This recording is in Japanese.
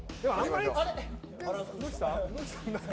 どうした？